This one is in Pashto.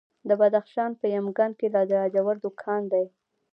د بدخشان په یمګان کې د لاجوردو کان دی.